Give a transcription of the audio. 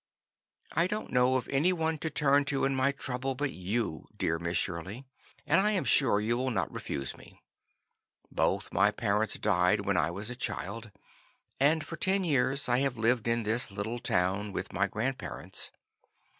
"I don't know of any one to turn to in my trouble but you, dear Miss Shirley, and I'm sure you will not refuse me. Both my parents died when I was a child, and for ten years I have lived in this little town with my grandparents.